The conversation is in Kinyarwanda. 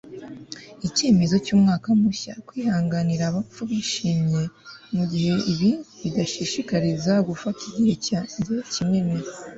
icyemezo cy'umwaka mushya: kwihanganira abapfu bishimye, mu gihe ibi bidashishikariza gufata igihe cyanjye kinini